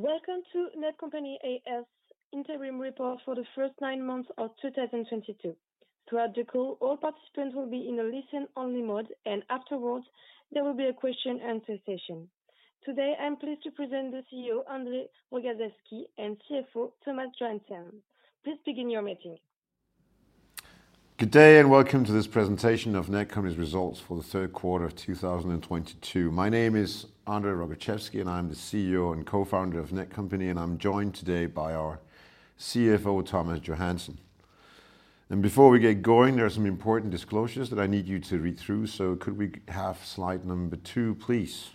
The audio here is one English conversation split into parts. Welcome to Netcompany Group A/S interim report for the first nine months of 2022. Throughout the call, all participants will be in a listen-only mode, and afterwards, there will be a question and answer session. Today, I'm pleased to present the CEO, André Rogaczewski, and CFO, Thomas Johansen. Please begin your meeting. Good day, and welcome to this presentation of Netcompany's results for the third quarter of 2022. My name is André Rogaczewski, and I'm the CEO and co-founder of Netcompany, and I'm joined today by our CFO, Thomas Johansen. Before we get going, there are some important disclosures that I need you to read through, so could we have slide number two, please?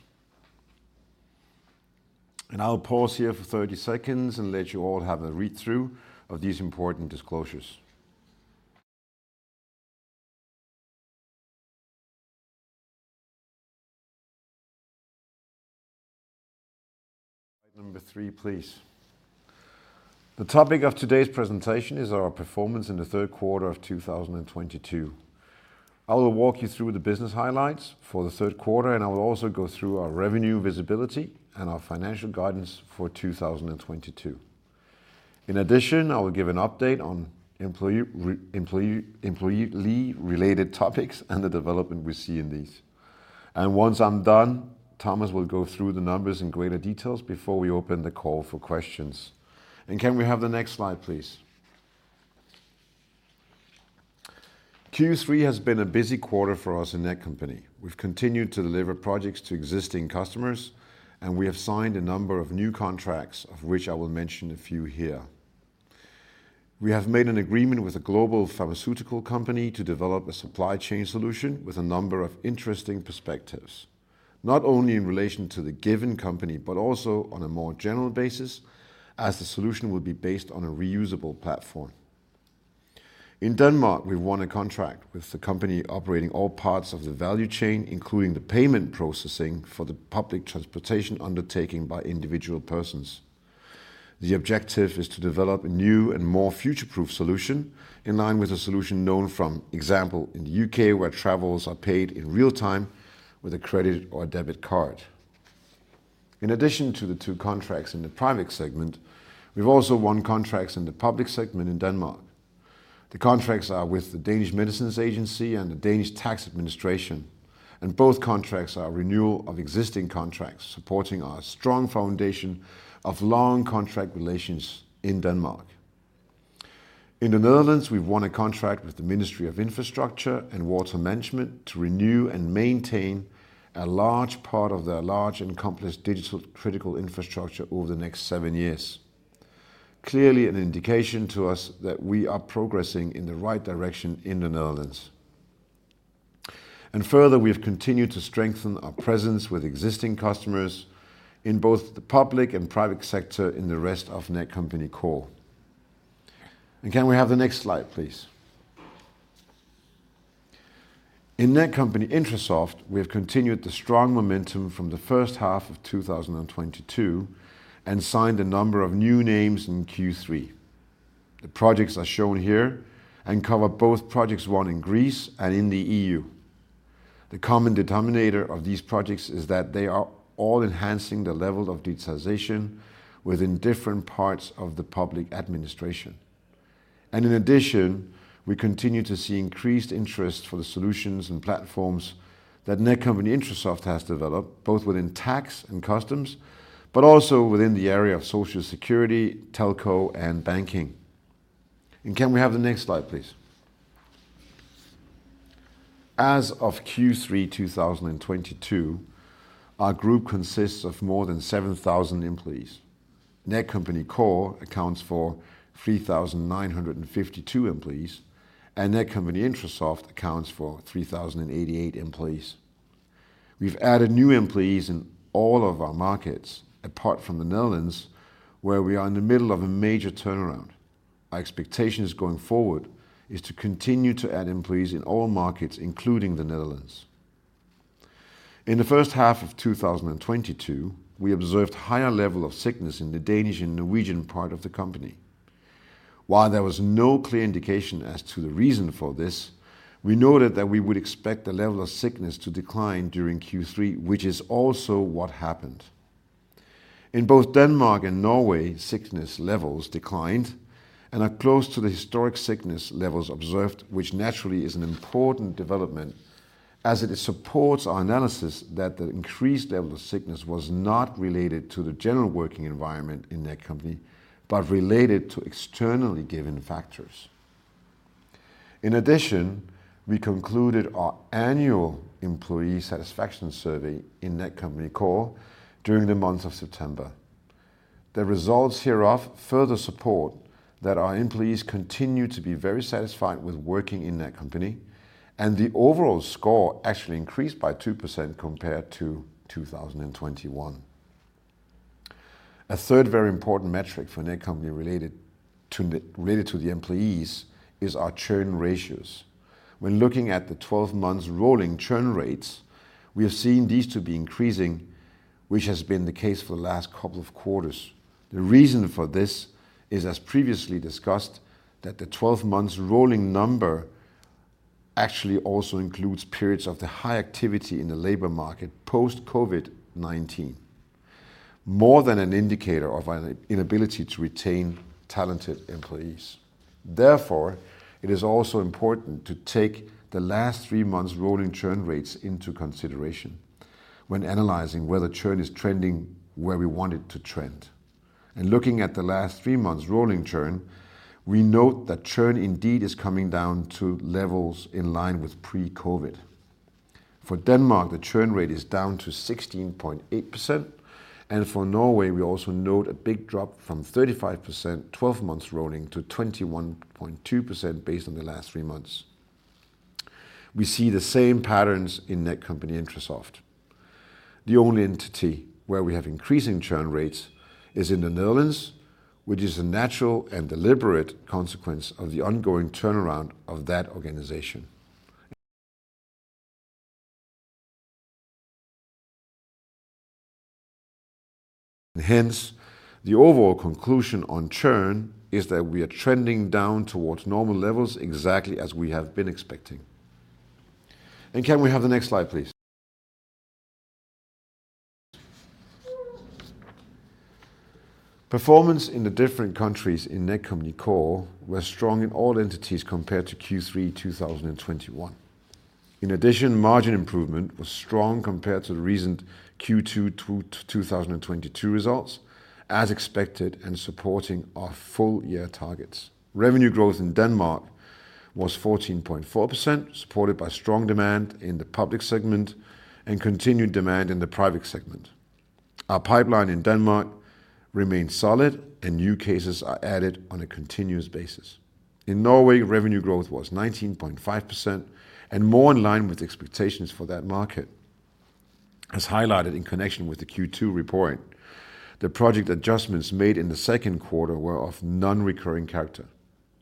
I'll pause here for 30 seconds and let you all have a read-through of these important disclosures. Number three, please. The topic of today's presentation is our performance in the third quarter of 2022. I will walk you through the business highlights for the third quarter, and I will also go through our revenue visibility and our financial guidance for 2022. In addition, I will give an update on employee-related topics and the development we see in these. Once I'm done, Thomas will go through the numbers in greater details before we open the call for questions. Can we have the next slide, please? Q3 has been a busy quarter for us in Netcompany. We've continued to deliver projects to existing customers, and we have signed a number of new contracts, of which I will mention a few here. We have made an agreement with a global pharmaceutical company to develop a supply chain solution with a number of interesting perspectives, not only in relation to the given company but also on a more general basis as the solution will be based on a reusable platform. In Denmark, we've won a contract with the company operating all parts of the value chain, including the payment processing for the public transportation undertaking by individual persons. The objective is to develop a new and more future-proof solution in line with a solution known from example in the UK, where travels are paid in real time with a credit or debit card. In addition to the two contracts in the private segment, we've also won contracts in the public segment in Denmark. The contracts are with the Danish Medicines Agency and the Danish Tax Agency, and both contracts are renewal of existing contracts, supporting our strong foundation of long contract relations in Denmark. In the Netherlands, we've won a contract with the Ministry of Infrastructure and Water Management to renew and maintain a large part of their large and complex digital critical infrastructure over the next seven years. Clearly an indication to us that we are progressing in the right direction in the Netherlands. Further, we have continued to strengthen our presence with existing customers in both the public and private sector in the rest of Netcompany Core. Can we have the next slide, please? In Netcompany-Intrasoft, we have continued the strong momentum from the first half of 2022 and signed a number of new names in Q3. The projects are shown here and cover both projects won in Greece and in the EU. The common denominator of these projects is that they are all enhancing the level of digitization within different parts of the public administration. In addition, we continue to see increased interest for the solutions and platforms that Netcompany-Intrasoft has developed, both within tax and customs, but also within the area of social security, telco, and banking. Can we have the next slide, please? As of Q3 2022, our group consists of more than 7,000 employees. Netcompany Core accounts for 3,952 employees, and Netcompany-Intrasoft accounts for 3,088 employees. We've added new employees in all of our markets, apart from the Netherlands, where we are in the middle of a major turnaround. Our expectation going forward is to continue to add employees in all markets, including the Netherlands. In the first half of 2022, we observed higher level of sickness in the Danish and Norwegian part of the company. While there was no clear indication as to the reason for this, we noted that we would expect the level of sickness to decline during Q3, which is also what happened. In both Denmark and Norway, sickness levels declined and are close to the historic sickness levels observed, which naturally is an important development as it supports our analysis that the increased level of sickness was not related to the general working environment in Netcompany but related to externally given factors. In addition, we concluded our annual employee satisfaction survey in Netcompany Core during the month of September. The results hereof further support that our employees continue to be very satisfied with working in Netcompany, and the overall score actually increased by 2% compared to 2021. A third very important metric for Netcompany related to the employees is our churn ratios. When looking at the 12 months rolling churn rates, we are seeing these to be increasing, which has been the case for the last couple of quarters. The reason for this is, as previously discussed, that the 12 months rolling number. Actually also includes periods of the high activity in the labor market post-COVID-19. More than an indicator of an inability to retain talented employees. Therefore, it is also important to take the last three months rolling churn rates into consideration when analyzing whether churn is trending where we want it to trend. In looking at the last three months rolling churn, we note that churn indeed is coming down to levels in line with pre-COVID. For Denmark, the churn rate is down to 16.8%, and for Norway, we also note a big drop from 35% 12 months rolling to 21.2% based on the last three months. We see the same patterns in Netcompany-Intrasoft. The only entity where we have increasing churn rates is in the Netherlands, which is a natural and deliberate consequence of the ongoing turnaround of that organization. Hence, the overall conclusion on churn is that we are trending down towards normal levels exactly as we have been expecting. Can we have the next slide, please? Performance in the different countries in Netcompany Core were strong in all entities compared to Q3 2021. In addition, margin improvement was strong compared to the recent Q2 2022 results, as expected and supporting our full year targets. Revenue growth in Denmark was 14.4%, supported by strong demand in the public segment and continued demand in the private segment. Our pipeline in Denmark remains solid, and new cases are added on a continuous basis. In Norway, revenue growth was 19.5% and more in line with expectations for that market. As highlighted in connection with the Q2 reporting, the project adjustments made in the second quarter were of non-recurring character.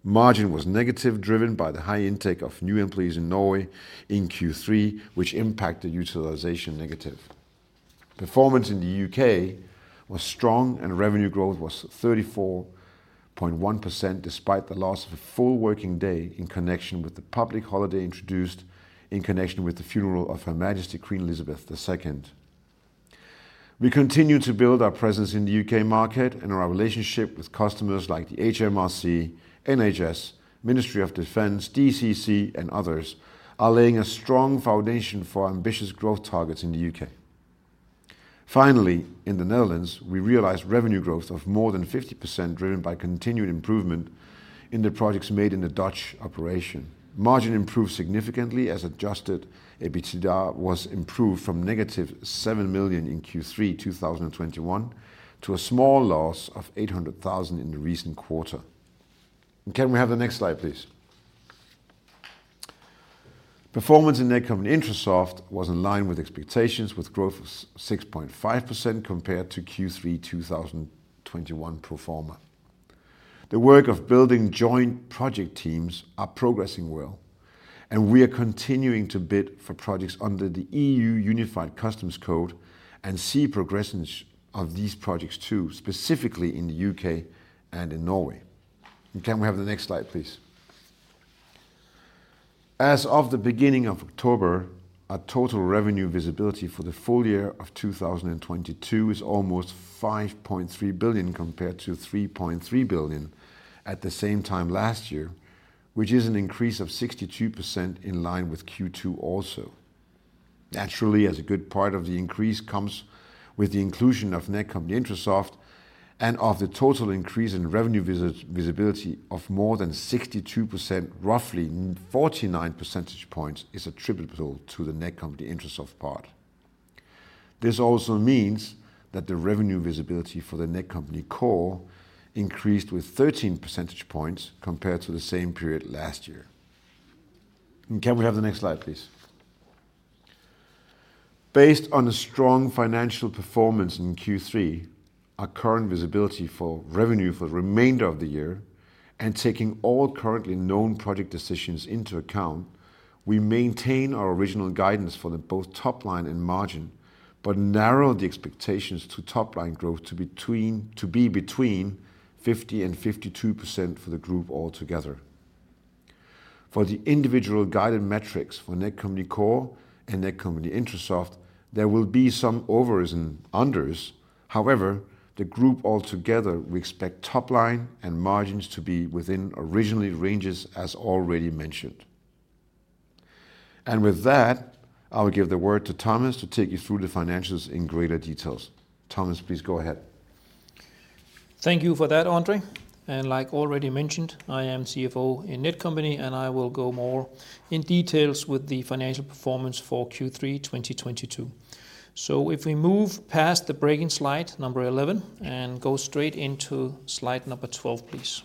Margin was negative, driven by the high intake of new employees in Norway in Q3, which impacted utilization negative. Performance in the U.K. was strong, and revenue growth was 34.1%, despite the loss of a full working day in connection with the public holiday introduced in connection with the funeral of Her Majesty Queen Elizabeth II. We continue to build our presence in the U.K. market and our relationship with customers like the HMRC, NHS, Ministry of Defence, DCC, and others are laying a strong foundation for our ambitious growth targets in the U.K. Finally, in the Netherlands, we realized revenue growth of more than 50%, driven by continued improvement in the projects made in the Dutch operation. Margin improved significantly as Adjusted EBITDA was improved from -7 million in Q3 2021 to a small loss of 800,000 in the recent quarter. Can we have the next slide, please? Performance in Netcompany-Intrasoft was in line with expectations, with growth of 6.5% compared to Q3 2021 pro forma. The work of building joint project teams are progressing well, and we are continuing to bid for projects under the EU Union Customs Code and see progressions of these projects too, specifically in the U.K. and in Norway. Can we have the next slide, please? As of the beginning of October, our total revenue visibility for the full year of 2022 is almost 5.3 billion compared to 3.3 billion at the same time last year, which is an increase of 62% in line with Q2 also. Naturally, as a good part of the increase comes with the inclusion of Netcompany-Intrasoft and of the total increase in revenue visibility of more than 62%, roughly 49 percentage points is attributable to the Netcompany-Intrasoft part. This also means that the revenue visibility for the Netcompany Core increased with 13 percentage points compared to the same period last year. Can we have the next slide, please? Based on a strong financial performance in Q3, our current visibility for revenue for the remainder of the year and taking all currently known project decisions into account, we maintain our original guidance for both top line and margin, but narrow the expectations to top line growth to be between 50% and 52% for the group altogether. For the individual guided metrics for Netcompany Core and Netcompany-Intrasoft, there will be some overs and unders. However, the group altogether, we expect top line and margins to be within original ranges as already mentioned. With that, I will give the word to Thomas to take you through the financials in greater detail. Thomas, please go ahead. Thank you for that, André. Like already mentioned, I am CFO in Netcompany, and I will go more in details with the financial performance for Q3 2022. If we move past the blank slide 11 and go straight into slide 12, please.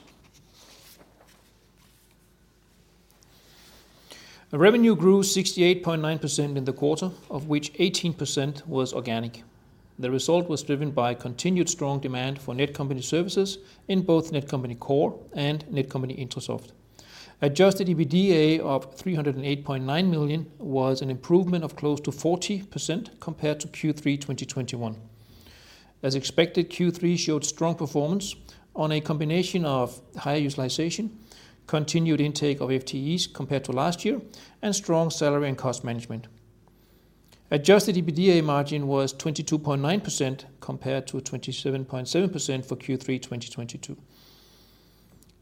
Revenue grew 68.9% in the quarter, of which 18% was organic. The result was driven by continued strong demand for Netcompany services in both Netcompany Core and Netcompany-Intrasoft. Adjusted EBITDA of 308.9 million was an improvement of close to 40% compared to Q3 2021. As expected, Q3 showed strong performance on a combination of high utilization, continued intake of FTEs compared to last year, and strong salary and cost management. Adjusted EBITDA margin was 22.9% compared to 27.7% for Q3 2022.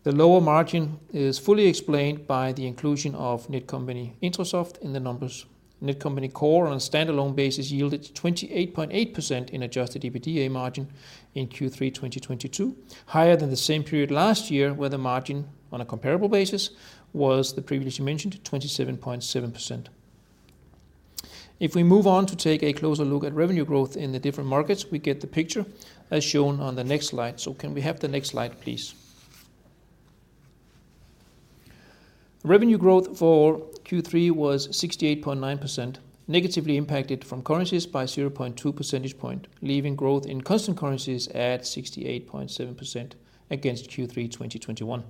The lower margin is fully explained by the inclusion of Netcompany-Intrasoft in the numbers. Netcompany Core on a standalone basis yielded to 28.8% in Adjusted EBITDA margin in Q3 2022, higher than the same period last year, where the margin on a comparable basis was the previously mentioned 27.7%. If we move on to take a closer look at revenue growth in the different markets, we get the picture as shown on the next slide. Can we have the next slide, please? Revenue growth for Q3 was 68.9%, negatively impacted from currencies by 0.2 percentage point, leaving growth in constant currencies at 68.7% against Q3 2021.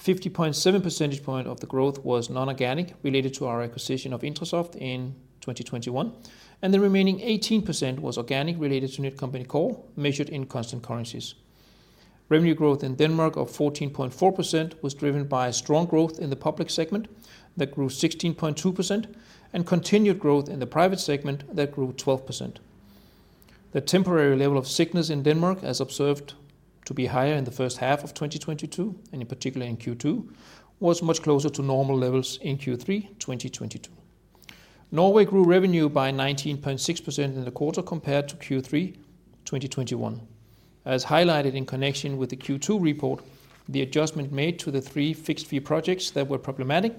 50.7 percentage points of the growth was non-organic, related to our acquisition of Intrasoft in 2021, and the remaining 18% was organic, related to Netcompany Core, measured in constant currencies. Revenue growth in Denmark of 14.4% was driven by strong growth in the public segment that grew 16.2% and continued growth in the private segment that grew 12%. The temporary level of sickness in Denmark, as observed to be higher in the first half of 2022, and in particular in Q2, was much closer to normal levels in Q3 2022. Norway grew revenue by 19.6% in the quarter compared to Q3 2021. As highlighted in connection with the Q2 report, the adjustment made to the three fixed-fee projects that were problematic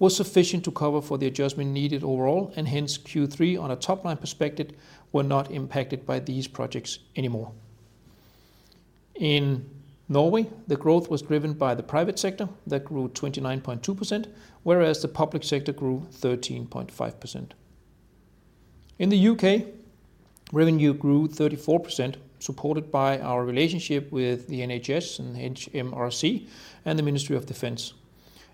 was sufficient to cover for the adjustment needed overall, and hence Q3 on a top-line perspective were not impacted by these projects anymore. In Norway, the growth was driven by the private sector that grew 29.2%, whereas the public sector grew 13.5%. In the U.K., revenue grew 34%, supported by our relationship with the NHS and HMRC and the Ministry of Defence.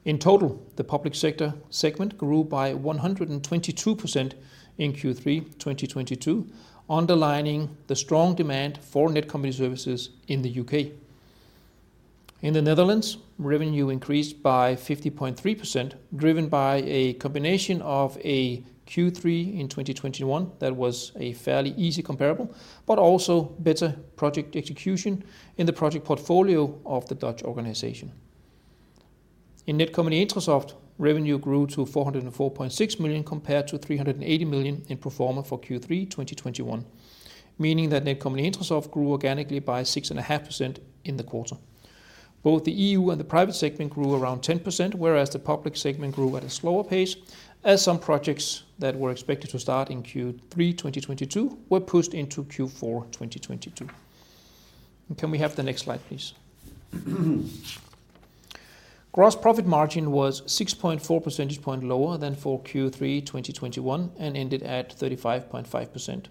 In total, the public sector segment grew by 122% in Q3 2022, underlining the strong demand for Netcompany services in the U.K. In the Netherlands, revenue increased by 50.3%, driven by a combination of a Q3 2021 that was a fairly easy comparable, but also better project execution in the project portfolio of the Dutch organization. In Netcompany-Intrasoft, revenue grew to 404.6 million compared to 380 million in pro forma for Q3 2021, meaning that Netcompany-Intrasoft grew organically by 6.5% in the quarter. Both the EU and the private segment grew around 10%, whereas the public segment grew at a slower pace as some projects that were expected to start in Q3 2022 were pushed into Q4 2022. Can we have the next slide, please? Gross profit margin was 6.4 percentage point lower than for Q3 2021 and ended at 35.5%.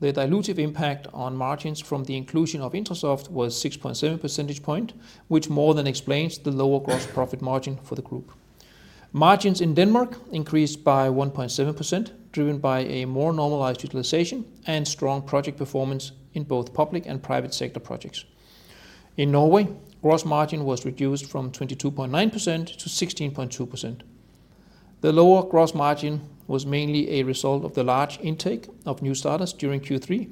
The dilutive impact on margins from the inclusion of Intrasoft was 6.7 percentage point, which more than explains the lower gross profit margin for the group. Margins in Denmark increased by 1.7%, driven by a more normalized utilization and strong project performance in both public and private sector projects. In Norway, gross margin was reduced from 22.9% to 16.2%. The lower gross margin was mainly a result of the large intake of new starters during Q3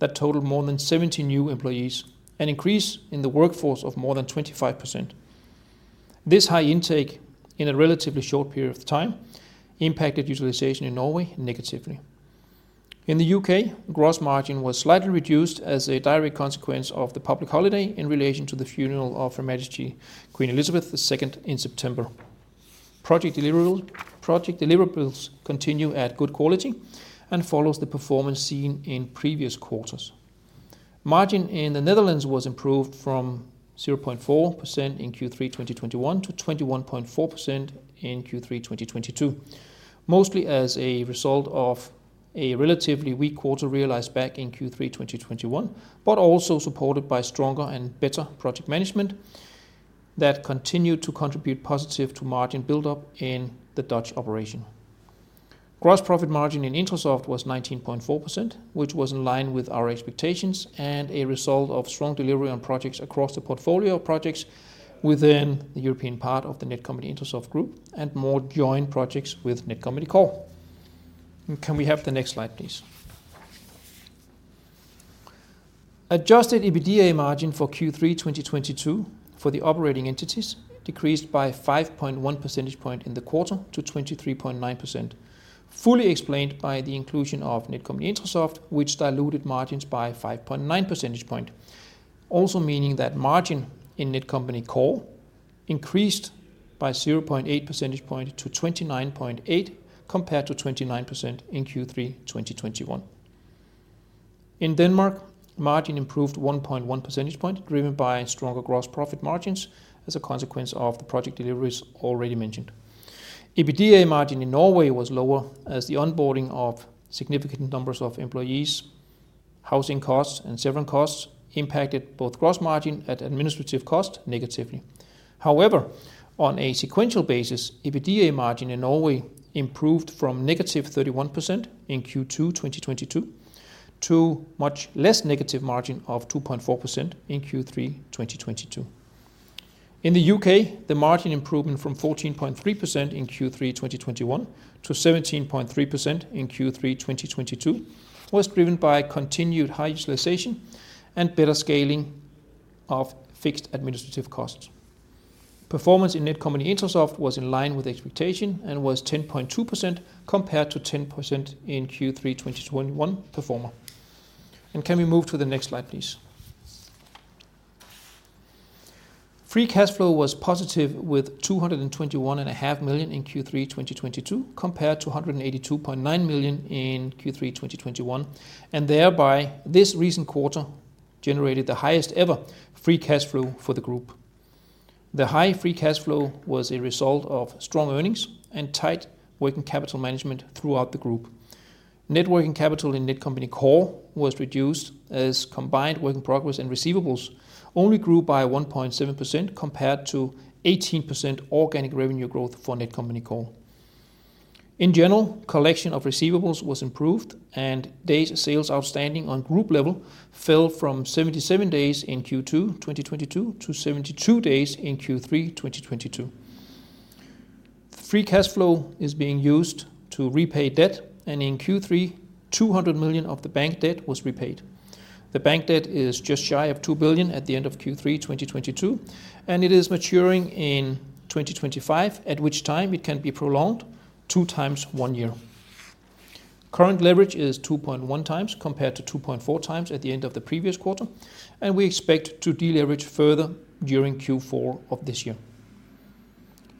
that totaled more than 70 new employees, an increase in the workforce of more than 25%. This high intake in a relatively short period of time impacted utilization in Norway negatively. In the U.K., gross margin was slightly reduced as a direct consequence of the public holiday in relation to the funeral of Her Majesty Queen Elizabeth II in September. Project deliverables continue at good quality and follows the performance seen in previous quarters. Margin in the Netherlands was improved from 0.4% in Q3 2021 to 21.4% in Q3 2022, mostly as a result of a relatively weak quarter realized back in Q3 2021, but also supported by stronger and better project management that continued to contribute positive to margin buildup in the Dutch operation. Gross profit margin in Intrasoft was 19.4%, which was in line with our expectations and a result of strong delivery on projects across the portfolio of projects within the European part of the Netcompany-Intrasoft Group and more joint projects with Netcompany Core. Can we have the next slide, please? Adjusted EBITDA margin for Q3 2022 for the operating entities decreased by 5.1 percentage point in the quarter to 23.9%, fully explained by the inclusion of Netcompany-Intrasoft, which diluted margins by 5.9 percentage point, also meaning that margin in Netcompany Core increased by 0.8 percentage point to 29.8% compared to 29% in Q3 2021. In Denmark, margin improved 1.1 percentage point, driven by stronger gross profit margins as a consequence of the project deliveries already mentioned. EBITDA margin in Norway was lower as the onboarding of significant numbers of employees, housing costs, and severance costs impacted both gross margin and administrative cost negatively. However, on a sequential basis, EBITDA margin in Norway improved from -31% in Q2 2022 to much less negative margin of 2.4% in Q3 2022. In the U.K., the margin improvement from 14.3% in Q3 2021 to 17.3% in Q3 2022 was driven by continued high utilization and better scaling of fixed administrative costs. Performance in Netcompany-Intrasoft was in line with expectation and was 10.2% compared to 10% in Q3 2021 performance. Can we move to the next slide, please? Free cash flow was positive with 221.5 million in Q3 2022 compared to 182.9 million in Q3 2021, and thereby this recent quarter generated the highest ever free cash flow for the group. The high free cash flow was a result of strong earnings and tight working capital management throughout the group. Net working capital in Netcompany Core was reduced as combined work in progress and receivables only grew by 1.7% compared to 18% organic revenue growth for Netcompany Core. In general, collection of receivables was improved, and days sales outstanding on group level fell from 77 days in Q2 2022 to 72 days in Q3 2022. Free cash flow is being used to repay debt, and in Q3, 200 million of the bank debt was repaid. The bank debt is just shy of 2 billion at the end of Q3 2022, and it is maturing in 2025, at which time it can be prolonged 2x one year. Current leverage is 2.1x compared to 2.4x at the end of the previous quarter, and we expect to deleverage further during Q4 of this year.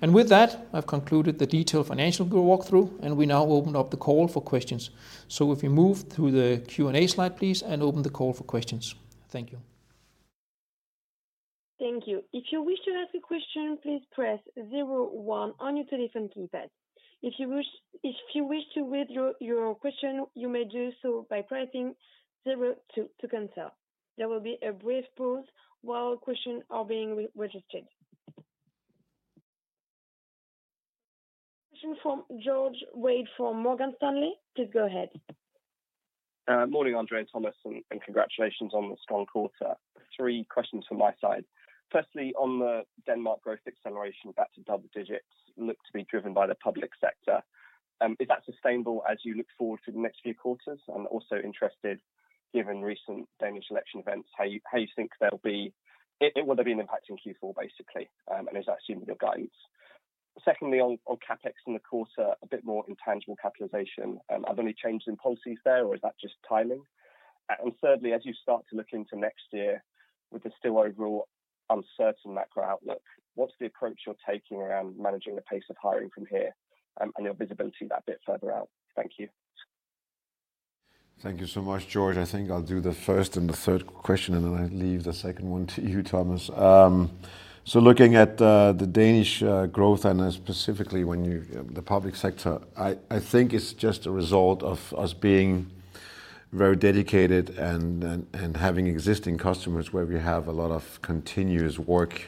With that, I've concluded the detailed financial walkthrough, and we now open up the call for questions. If we move to the Q&A slide, please, and open the call for questions. Thank you. Thank you. If you wish to ask a question, please press zero-one on your telephone keypad. If you wish to withdraw your question, you may do so by pressing zero-two to cancel. There will be a brief pause while questions are being re-registered. Question from George Webb from Morgan Stanley. Please go ahead. Morning, André and Thomas, and congratulations on the strong quarter. Three questions from my side. Firstly, on the Denmark growth acceleration back to double digits looked to be driven by the public sector. Is that sustainable as you look forward to the next few quarters? I'm also interested, given recent Danish election events, how you think they'll be if there will be an impact in Q4, basically, and is that assumed in your guidance? Secondly, on CapEx in the quarter, a bit more intangible capitalization. Are there any changes in policies there, or is that just timing? Thirdly, as you start to look into next year with the still overall uncertain macro outlook, what's the approach you're taking around managing the pace of hiring from here, and your visibility that bit further out? Thank you. Thank you so much, George. I think I'll do the first and the third question, and then I leave the second one to you, Thomas. Looking at the Danish growth and specifically the public sector, I think it's just a result of us being very dedicated and having existing customers where we have a lot of continuous work.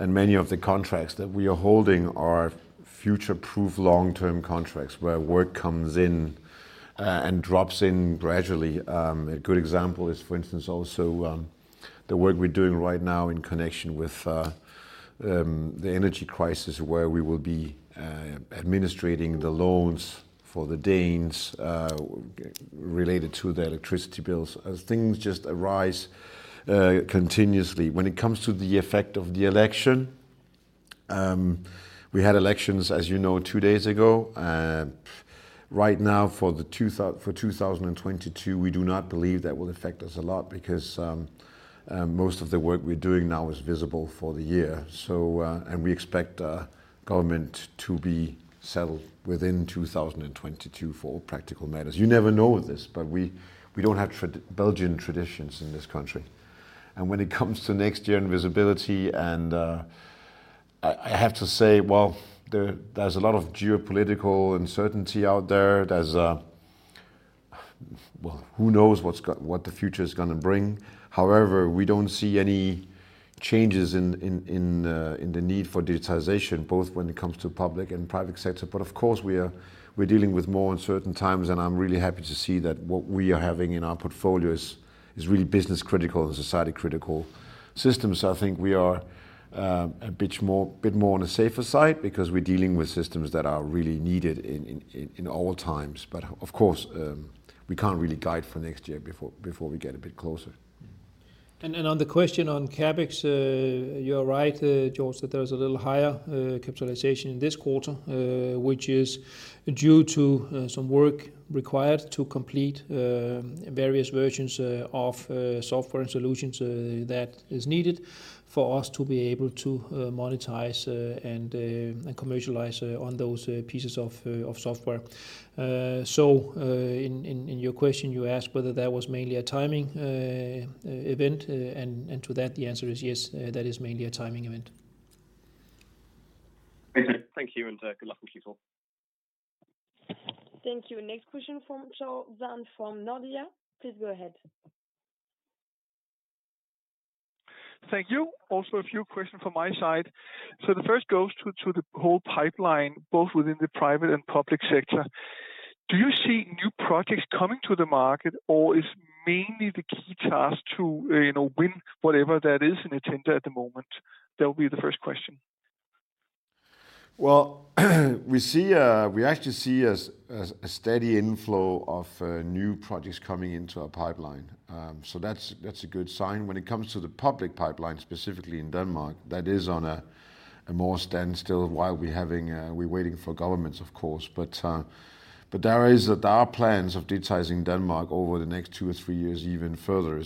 Many of the contracts that we are holding are future-proof long-term contracts, where work comes in and drops in gradually. A good example is, for instance, also the work we're doing right now in connection with the energy crisis, where we will be administering the loans for the Danes related to their electricity bills, as things just arise continuously. When it comes to the effect of the election, we had elections, as you know, two days ago. Right now, for 2022, we do not believe that will affect us a lot because most of the work we're doing now is visible for the year. We expect government to be settled within 2022 for practical matters. You never know this, but we don't have Belgian traditions in this country. When it comes to next year and visibility, I have to say, well, there's a lot of geopolitical uncertainty out there. There's, well, who knows what the future is gonna bring. However, we don't see any changes in the need for digitization, both when it comes to public and private sector. Of course, we're dealing with more uncertain times, and I'm really happy to see that what we are having in our portfolios is really business-critical and society-critical systems. I think we are a bit more on the safer side because we're dealing with systems that are really needed in all times. Of course, we can't really guide for next year before we get a bit closer. On the question on CapEx, you're right, George, that there is a little higher capitalization in this quarter, which is due to some work required to complete various versions of software and solutions that is needed for us to be able to monetize and commercialize on those pieces of software. In your question, you asked whether that was mainly a timing event. To that, the answer is yes, that is mainly a timing event. Okay. Thank you, and good luck with you all. Thank you. Next question from Claus Almer from Nordea. Please go ahead. Thank you. Also a few questions from my side. The first goes to the whole pipeline, both within the private and public sector. Do you see new projects coming to the market, or is mainly the key task to, you know, win whatever that is in the tender at the moment? That will be the first question. Well, we actually see a steady inflow of new projects coming into our pipeline. That's a good sign. When it comes to the public pipeline, specifically in Denmark, that is on more of a standstill while we're waiting for governments, of course. There are plans for digitizing Denmark over the next two or three years even further.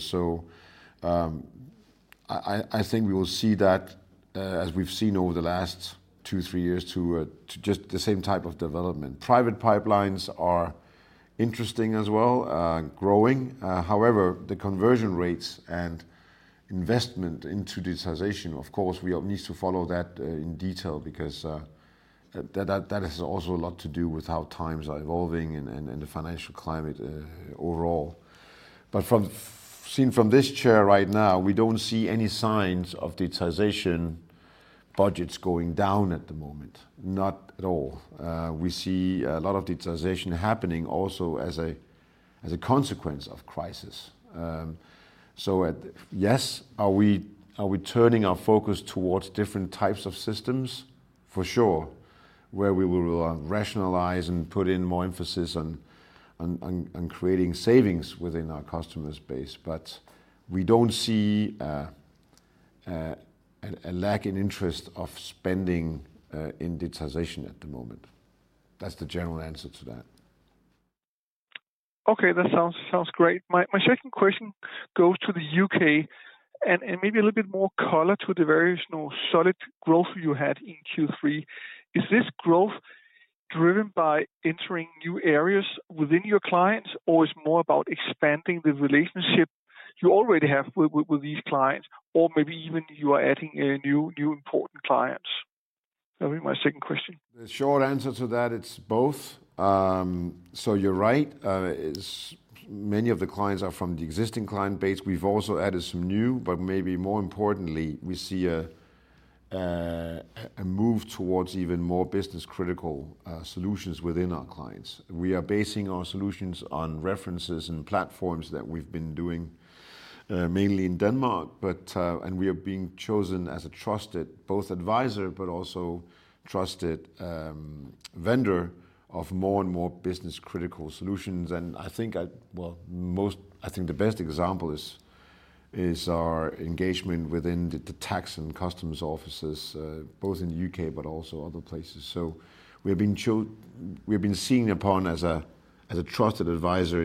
I think we will see that, as we've seen over the last two, three years to just the same type of development. Private pipelines are interesting as well, growing. However, the conversion rates and investment into digitization, of course, we all need to follow that in detail because that has also a lot to do with how times are evolving and the financial climate overall. Seen from this chair right now, we don't see any signs of digitization budgets going down at the moment. Not at all. We see a lot of digitization happening also as a consequence of crisis. Yes, are we turning our focus towards different types of systems? For sure, where we will rationalize and put in more emphasis on creating savings within our customer space. We don't see a lack in interest of spending in digitization at the moment. That's the general answer to that. Okay. That sounds great. My second question goes to the U.K. and maybe a little bit more color to the very, you know, solid growth you had in Q3. Is this growth driven by entering new areas within your clients or is more about expanding the relationship you already have with these clients, or maybe even you are adding new important clients? That'll be my second question. The short answer to that, it's both. You're right. Many of the clients are from the existing client base. We've also added some new, but maybe more importantly, we see a move towards even more business-critical solutions within our clients. We are basing our solutions on references and platforms that we've been doing mainly in Denmark. We are being chosen as a trusted both advisor, but also trusted vendor of more and more business-critical solutions. I think the best example is our engagement within the Tax and Customs offices both in the U.K. but also other places. We've been seen as a trusted advisor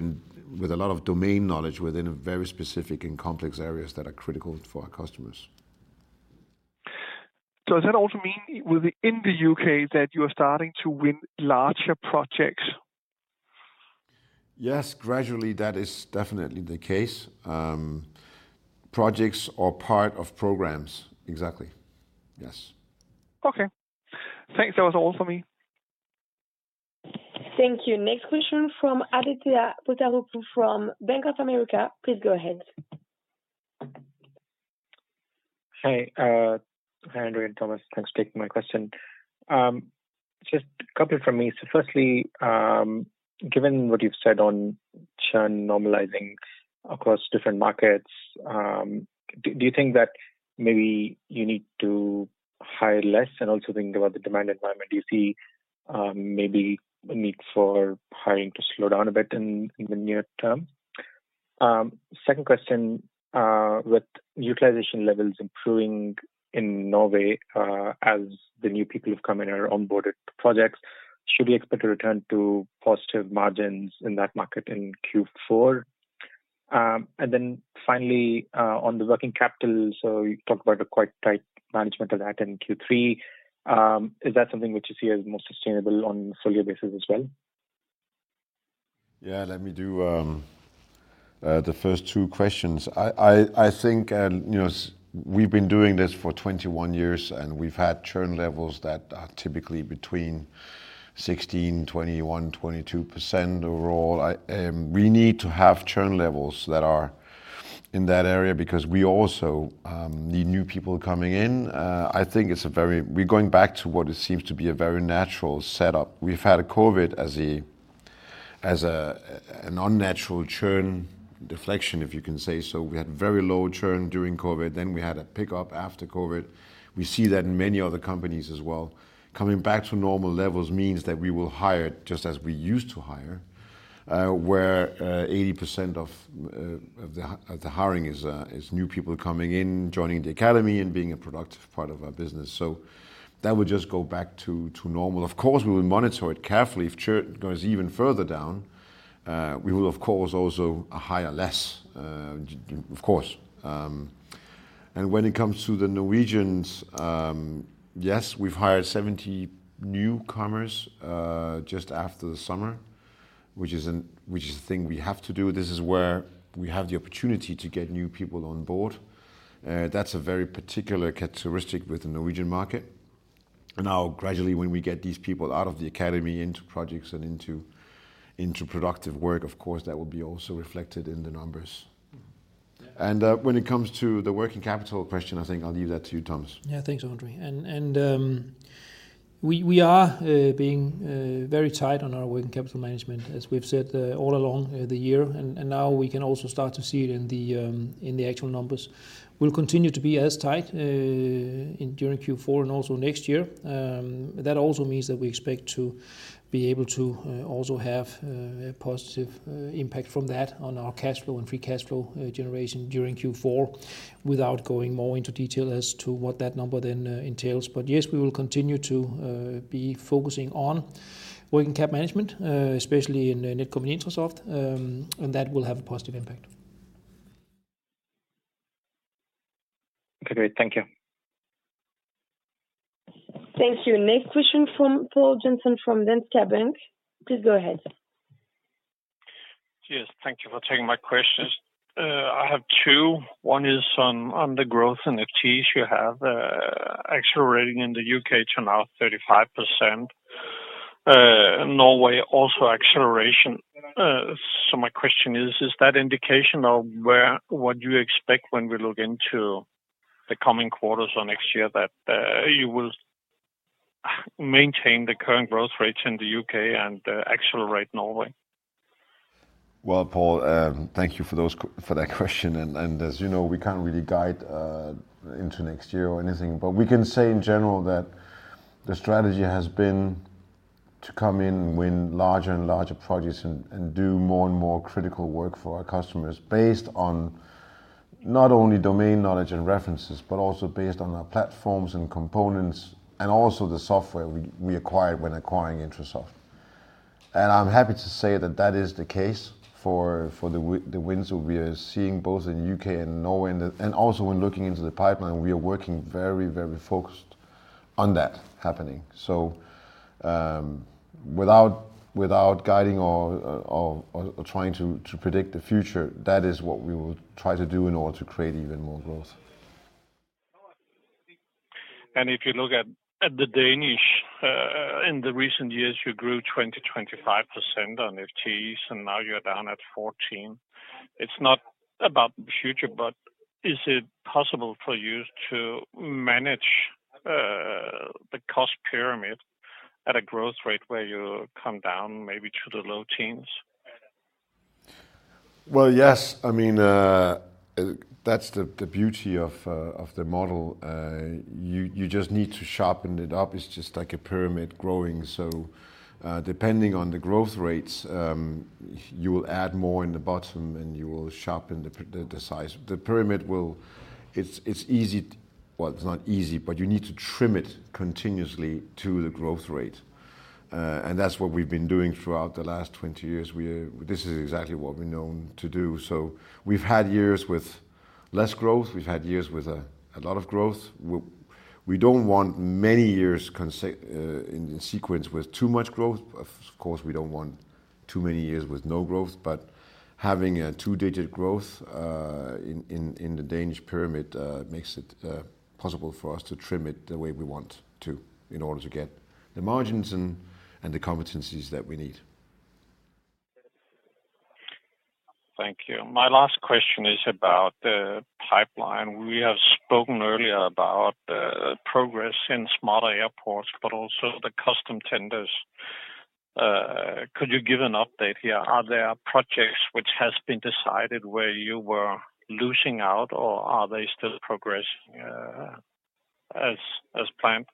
in. With a lot of domain knowledge within a very specific and complex areas that are critical for our customers. Does that also mean in the U.K. that you are starting to win larger projects? Yes. Gradually, that is definitely the case. Projects or part of programs. Exactly, yes. Okay. Thanks. That was all for me. Thank you. Next question from Aditya Buddhavarapu from Bank of America. Please go ahead. Hi, André and Thomas. Thanks for taking my question. Just a couple from me. Firstly, given what you've said on churn normalizing across different markets, do you think that maybe you need to hire less? And also, think about the demand environment, do you see maybe a need for hiring to slow down a bit in the near term? Second question, with utilization levels improving in Norway, as the new people who've come in are onboarded to projects, should we expect a return to positive margins in that market in Q4? And then finally, on the working capital, you talked about the quite tight management of that in Q3. Is that something which you see as more sustainable on a full year basis as well? Yeah. Let me do the first two questions. I think, you know, we've been doing this for 21 years, and we've had churn levels that are typically between 16%, 21%, 22% overall. We need to have churn levels that are in that area because we also need new people coming in. I think we're going back to what seems to be a very natural setup. We've had COVID as an unnatural churn deflection, if you can say so. We had very low churn during COVID, then we had a pickup after COVID. We see that in many other companies as well. Coming back to normal levels means that we will hire just as we used to hire, where 80% of the hiring is new people coming in, joining the academy and being a productive part of our business. That would just go back to normal. Of course, we will monitor it carefully. If churn goes even further down, we will of course also hire less. Of course. When it comes to the Norwegians, yes, we've hired 70 newcomers just after the summer, which is a thing we have to do. This is where we have the opportunity to get new people on board. That's a very particular characteristic with the Norwegian market. Now gradually, when we get these people out of the academy into projects and into productive work, of course, that will be also reflected in the numbers. When it comes to the working capital question, I think I'll leave that to you, Thomas. Yeah. Thanks, André. We are being very tight on our working capital management, as we've said all along the year. Now we can also start to see it in the actual numbers. We'll continue to be as tight during Q4 and also next year. That also means that we expect to be able to also have a positive impact from that on our cash flow and free cash flow generation during Q4 without going more into detail as to what that number then entails. Yes, we will continue to be focusing on working cap management, especially in Netcompany-Intrasoft, and that will have a positive impact. Okay. Great. Thank you. Thank you. Next question from Poul Jessen from Danske Bank. Please go ahead. Yes, thank you for taking my questions. I have two. One is on the growth in FTEs. You have accelerating in the U.K. to now 35%, Norway also acceleration. My question is that indication of where, what you expect when we look into the coming quarters or next year that you will maintain the current growth rates in the U.K. and accelerate Norway? Well, Poul, thank you for that question and, as you know, we can't really guide into next year or anything. We can say in general that the strategy has been to come in, win larger and larger projects and do more and more critical work for our customers based on not only domain knowledge and references, but also based on our platforms and components and also the software we acquired when acquiring Intrasoft. I'm happy to say that is the case for the wins that we are seeing both in U.K. and Norway, and also when looking into the pipeline, we are working very focused on that happening. Without guiding or trying to predict the future, that is what we will try to do in order to create even more growth. If you look at the Danish in the recent years, you grew 20%-25% on FTEs, and now you're down at 14%. It's not about the future, but is it possible for you to manage the cost pyramid at a growth rate where you come down maybe to the low teens? Well, yes. I mean, that's the beauty of the model. You just need to sharpen it up. It's just like a pyramid growing. Depending on the growth rates, you will add more in the bottom, and you will sharpen the size. The pyramid will. Well, it's not easy, but you need to trim it continuously to the growth rate. That's what we've been doing throughout the last 20 years. This is exactly what we're known to do. We've had years with less growth. We've had years with a lot of growth. We don't want many years in sequence with too much growth. Of course, we don't want too many years with no growth. Having a two-digit growth in the Danish pyramid makes it possible for us to trim it the way we want to in order to get the margins and the competencies that we need. Thank you. My last question is about the pipeline. We have spoken earlier about progress in Smarter Airports, but also the customs tenders. Could you give an update here? Are there projects which has been decided where you were losing out, or are they still progressing, as planned?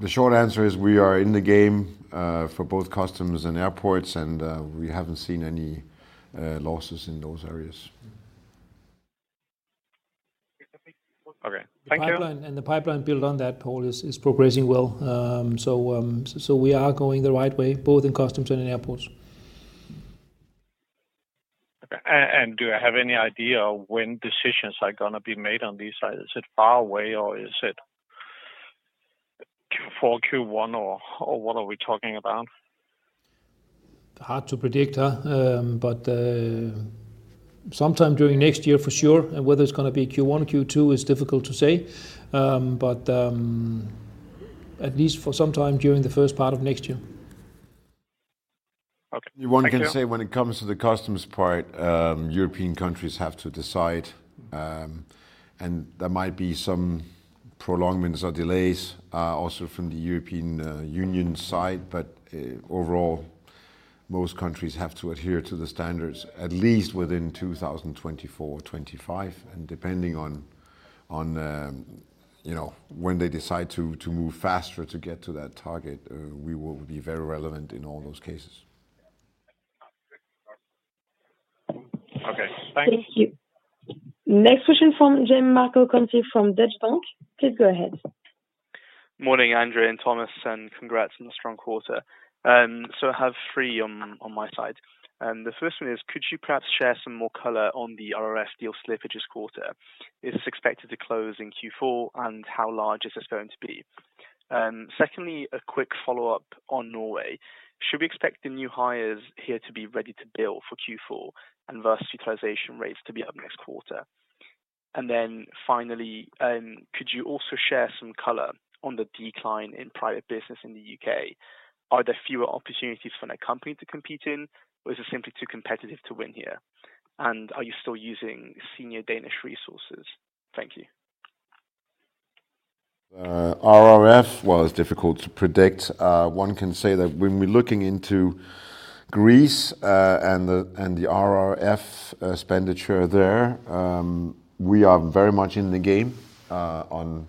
The short answer is we are in the game for both customs and airports, and we haven't seen any losses in those areas. Okay. Thank you. The pipeline, and the pipeline built on that, Poul, is progressing well. We are going the right way, both in customs and in airports. Okay. Do I have any idea when decisions are gonna be made on these items? Is it far away, or is it Q4, Q1 or what are we talking about? Hard to predict, huh? Sometime during next year for sure. Whether it's gonna be Q1, Q2 is difficult to say. At least for some time during the first part of next year. Okay. Thank you. One can say when it comes to the customs part, European countries have to decide, and there might be some prolongments or delays, also from the European Union side. Overall, most countries have to adhere to the standards at least within 2024-2025. Depending on, you know, when they decide to move faster to get to that target, we will be very relevant in all those cases. Okay. Thank you. Thank you. Next question from Gianmarco Conti from Deutsche Bank. Please go ahead. Morning, André and Thomas, and congrats on the strong quarter. I have three on my side. The first one is could you perhaps share some more color on the RRF deal slippage this quarter? Is this expected to close in Q4, and how large is this going to be? Secondly, a quick follow-up on Norway. Should we expect the new hires here to be ready to bill for Q4 and thus utilization rates to be up next quarter? Finally, could you also share some color on the decline in private business in the U.K.? Are there fewer opportunities for the company to compete in, or is it simply too competitive to win here? And are you still using senior Danish resources? Thank you. RRF was difficult to predict. One can say that when we're looking into Greece and the RRF expenditure there, we are very much in the game on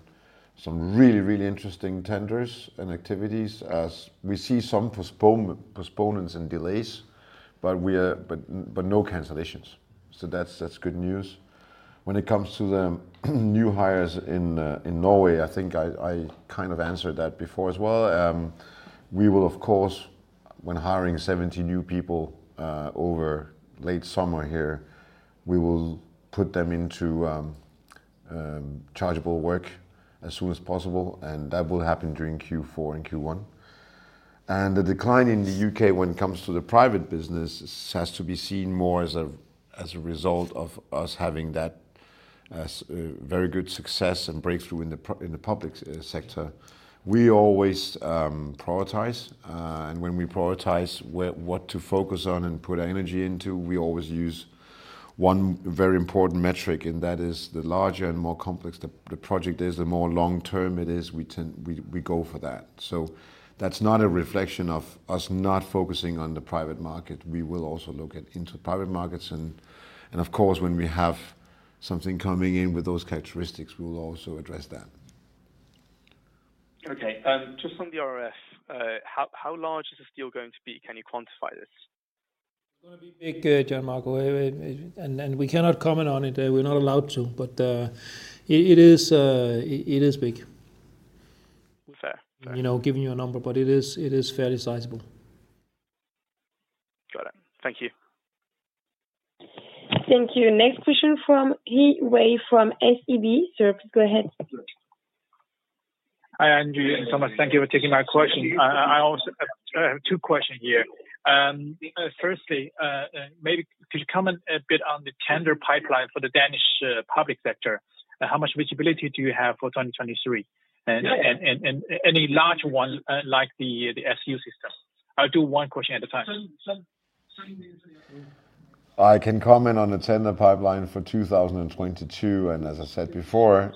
some really interesting tenders and activities as we see some postponements and delays, but no cancellations. That's good news. When it comes to the new hires in Norway, I think I kind of answered that before as well. We will of course, when hiring 70 new people over late summer here, we will put them into chargeable work as soon as possible, and that will happen during Q4 and Q1. The decline in the U.K. when it comes to the private business has to be seen more as a result of us having that very good success and breakthrough in the public sector. We always prioritize and when we prioritize what to focus on and put our energy into, we always use one very important metric, and that is the larger and more complex the project is, the more long-term it is, we tend to go for that. That's not a reflection of us not focusing on the private market. We will also look into private markets, and of course, when we have something coming in with those characteristics, we will also address that. Okay. Just on the RRF, how large is this deal going to be? Can you quantify this? It's gonna be big, Gianmarco. We cannot comment on it. We're not allowed to, but it is big. Fair. You know, giving you a number, but it is fairly sizable. Got it. Thank you. Thank you. Next question from Yiwei from SEB. Sir, please go ahead. Hi, André and Thomas. Thank you for taking my question. I also have two questions here. Firstly, maybe could you comment a bit on the tender pipeline for the Danish public sector? How much visibility do you have for 2023? And any large one like the SU system. I'll do one question at a time. I can comment on the tender pipeline for 2022, and as I said before,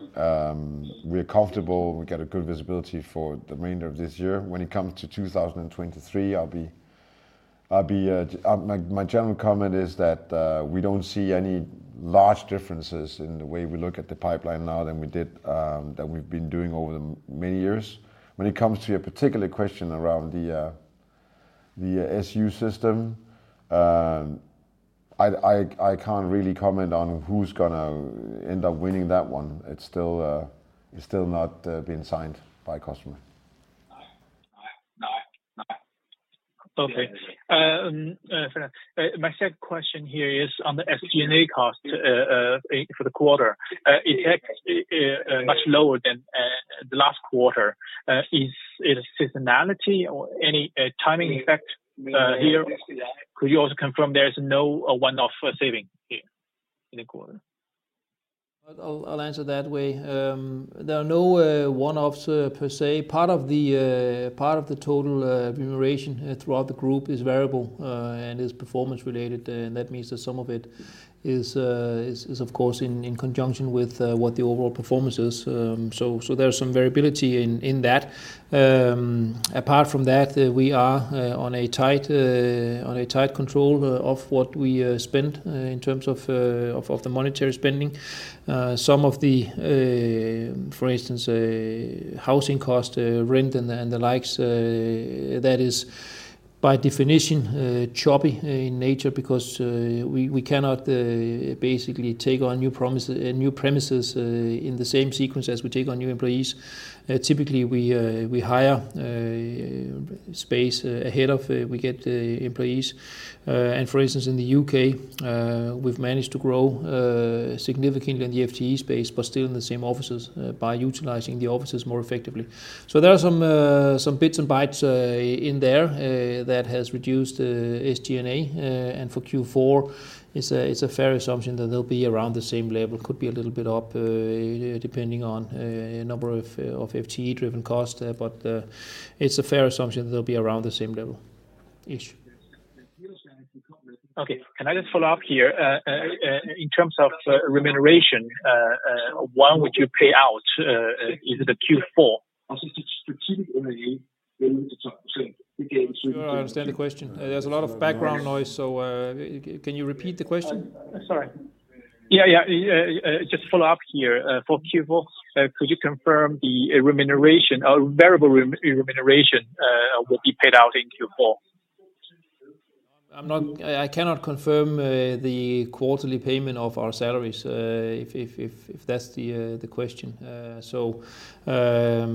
we're comfortable. We get a good visibility for the remainder of this year. When it comes to 2023, I'll be my general comment is that, we don't see any large differences in the way we look at the pipeline now than we did, than we've been doing over the many years. When it comes to your particular question around the the SU system, I can't really comment on who's gonna end up winning that one. It's still not been signed by customer. Okay. Fair enough. My second question here is on the SG&A cost for the quarter. It's much lower than the last quarter. Is it a seasonality or any timing effect here? Could you also confirm there is no one-off saving here in the quarter? I'll answer that Yiwei. There are no one-offs per se. Part of the total remuneration throughout the group is variable and is performance related. That means that some of it is of course in conjunction with what the overall performance is. There's some variability in that. Apart from that, we are on a tight control of what we spend in terms of the monetary spending. Some of the, for instance, housing cost, rent and the likes, that is by definition choppy in nature because we cannot basically take on new premises in the same sequence as we take on new employees. Typically we hire space ahead of we get employees. For instance, in the U.K., we've managed to grow significantly in the FTE space, but still in the same offices, by utilizing the offices more effectively. There are some bits and bytes in there that has reduced SG&A. For Q4, it's a fair assumption that they'll be around the same level. Could be a little bit up, depending on number of FTE driven costs, but it's a fair assumption they'll be around the same level-ish. Okay. Can I just follow up here? In terms of remuneration, when would you pay out into the Q4? I don't understand the question. There's a lot of background noise, so, can you repeat the question? Sorry. Yeah. Just follow up here for Q4. Could you confirm the remuneration or variable remuneration will be paid out in Q4? I cannot confirm the quarterly payment of our salaries, if that's the question. There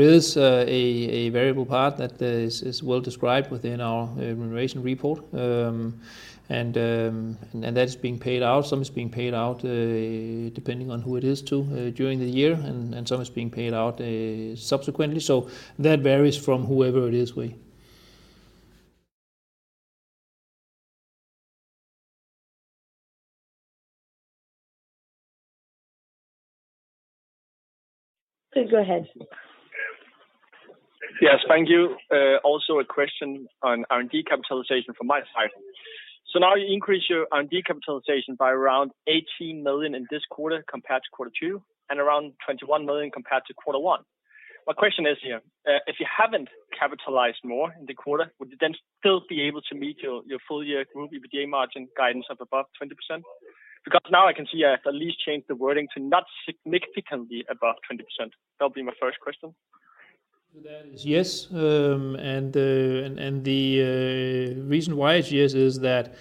is a variable part that is well described within our remuneration report. That's being paid out. Some is being paid out depending on who it is to during the year, and some is being paid out subsequently. That varies from whoever it is Yiwei. Please go ahead. Yes. Thank you. Also a question on R&D capitalization from my side. Now you increase your R&D capitalization by around 18 million in this quarter compared to quarter two, and around 21 million compared to quarter one. My question is here, if you haven't capitalized more in the quarter, would you then still be able to meet your full year group EBITDA margin guidance of above 20%? Because now I can see I have to at least change the wording to not significantly above 20%. That'll be my first question. The answer is yes. The reason why it's yes is that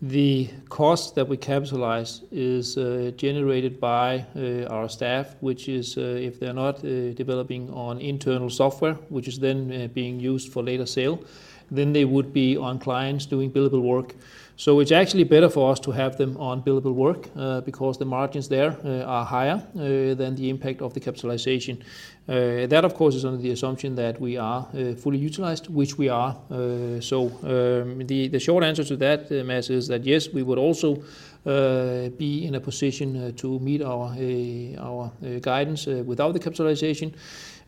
the cost that we capitalize is generated by our staff, which is if they're not developing on internal software, which is then being used for later sale, then they would be on clients doing billable work. It's actually better for us to have them on billable work because the margins there are higher than the impact of the capitalization. That of course is under the assumption that we are fully utilized, which we are. The short answer to that is that yes, we would also be in a position to meet our guidance without the capitalization.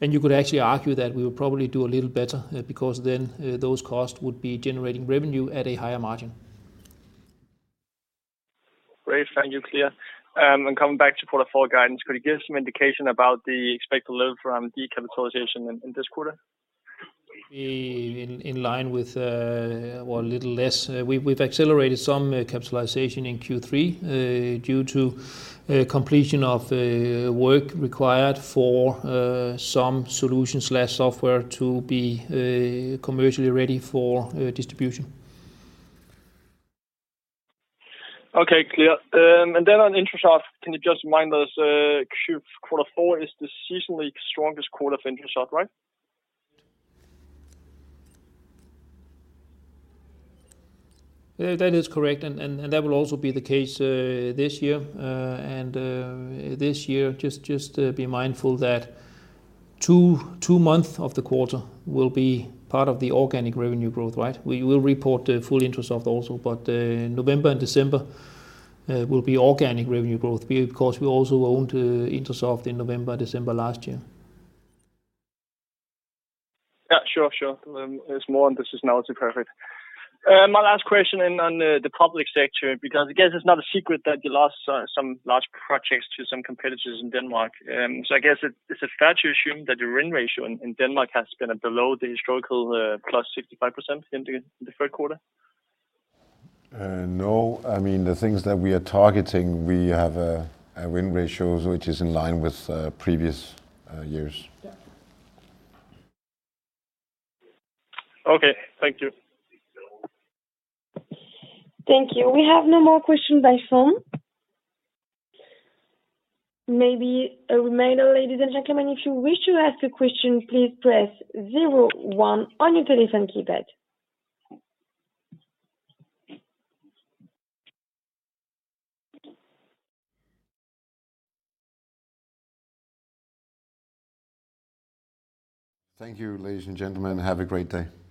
You could actually argue that we will probably do a little better, because then, those costs would be generating revenue at a higher margin. Great. Thank you. Clear. Coming back to quarter four guidance, could you give some indication about the expected level from the capitalization in this quarter? In line with or a little less. We've accelerated some capitalization in Q3 due to completion of work required for some solutions/software to be commercially ready for distribution. Okay. Clear. On Intrasoft, can you just remind us, quarter four is the seasonally strongest quarter of Intrasoft, right? Yeah, that is correct. That will also be the case this year. This year, be mindful that two months of the quarter will be part of the organic revenue growth, right? We will report the full Intrasoft also, but November and December will be organic revenue growth. Of course, we also owned Intrasoft in November, December last year. Yeah. Sure, sure. There's more on the seasonality part of it. My last question on the public sector, because I guess it's not a secret that you lost some large projects to some competitors in Denmark. I guess, is it fair to assume that your win ratio in Denmark has been below the historical +65% in the third quarter? No. I mean, the things that we are targeting, we have a win ratios which is in line with previous years. Yeah. Okay. Thank you. Thank you. We have no more questions by phone. Maybe a reminder, ladies and gentlemen, if you wish to ask a question, please press zero one on your telephone keypad. Thank you, ladies and gentlemen. Have a great day. Thank you.